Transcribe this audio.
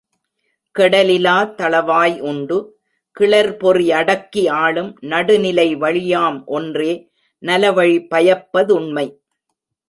கெடலிலா தளவாய் உண்டு, கிளர்பொறி அடக்கி ஆளும் நடுநிலை வழியாம் ஒன்றே நலவழி பயப்ப துண்மை.